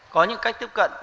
có những cách tiếp cận